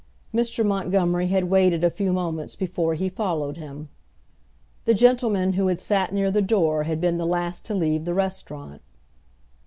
Mr. Montgomery had waited a few moments before he followed him. The gentleman who had sat near the door had been the last to leave the restaurant.